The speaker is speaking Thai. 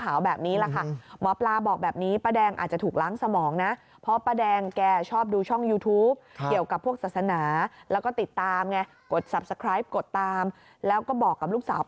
มาที่บ้านหมอปลาที่เพชรบุรีนะเดี๋ยวจะรักษาให้